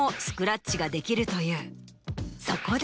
そこで。